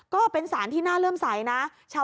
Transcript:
ก็เป็นสารที่น่าเริ่มใสนะ